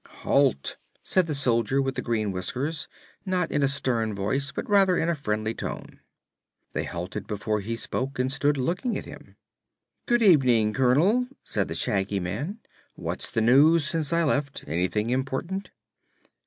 "Halt!" said the Soldier with the Green Whiskers, not in a stern voice but rather in a friendly tone. They halted before he spoke and stood looking at him. "Good evening, Colonel," said the Shaggy Man. "What's the news since I left? Anything important?"